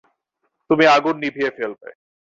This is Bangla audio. তুমি আগুন নিভিয়ে ফেলবে।